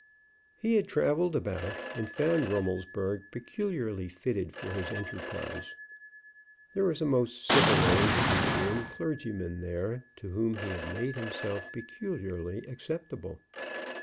He had travelled about and found Rummelsburg peculiarly fitted for his enterprise. There was a most civil old Lutheran clergyman there, to whom he had made himself peculiarly acceptable.